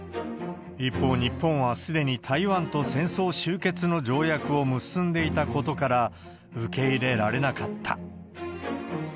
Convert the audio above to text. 一方、日本はすでに台湾と戦争終結の条約を結んでいたことから、受け入れられなかった。